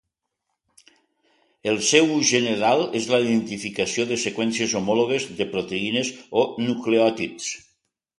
El seu ús general és la identificació de seqüències homòlogues de proteïnes o nucleòtids.